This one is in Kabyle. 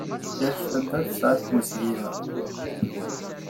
Yal taddart tesɛa tamezgida.